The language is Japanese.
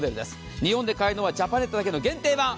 日本で買えるのはジャパネットだけの限定版。